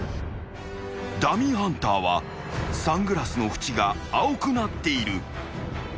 ［ダミーハンターはサングラスの縁が青くなっている］